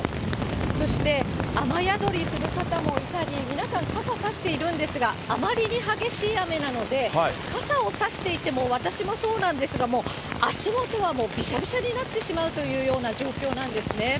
そして雨宿りする方もいたり、皆さん傘差しているんですが、あまりに激しい雨なので、傘を差していても私もそうなんですが、もう足元はもうびしゃびしゃになってしまうというような状況なんですね。